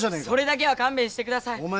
それだけは勘弁して下さい。